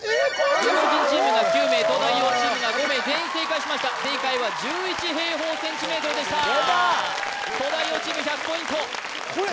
芸能人チームが９名東大王チームが５名全員正解しました正解は１１平方センチメートルでした東大王チーム１００ポイント